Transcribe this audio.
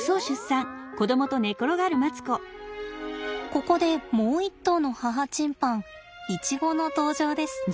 ここでもう一頭の母チンパンイチゴの登場です。